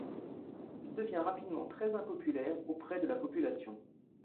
Il devient rapidement très impopulaire auprès de la population.